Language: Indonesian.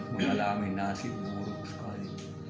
mengalami nasib buruk sekali